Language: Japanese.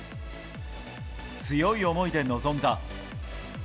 強い思いで臨んだ。